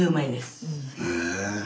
へえ。